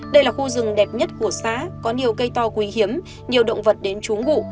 đây là khu rừng đẹp nhất của xã có nhiều cây to quý hiếm nhiều động vật đến trúng vụ